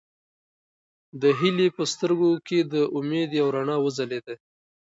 د هیلې په سترګو کې د امید یوه رڼا وځلېده.